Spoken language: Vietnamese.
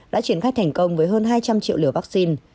đã triển khai thành công với hơn hai trăm linh triệu liều vaccine